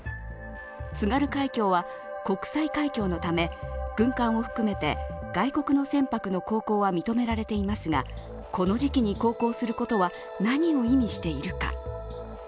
津軽海峡は国際海峡のため軍艦を含めて外国の船舶の航行は認められていますがこの時期に航行することは何を意味しているか。